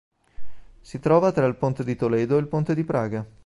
Si trova tra il Ponte di Toledo e il Ponte di Praga.